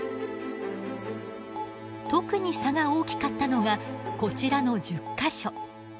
特に差が大きかったのがこちらの１０か所。